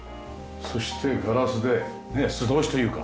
そしてガラスで素通しというか。